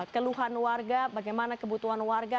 keluhan warga bagaimana kebutuhan warga